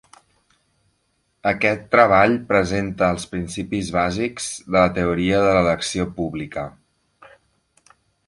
Aquest treball presenta els principis bàsics de la teoria de l'elecció pública.